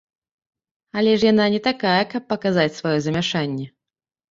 Але ж яна не такая, каб паказаць сваё замяшанне.